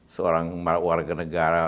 seorang warga negara